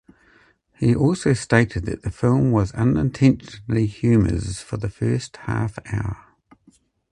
He also stated that the film was unintentionally humours for the first half hour.